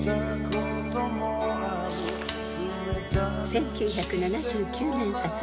［１９７９年発売］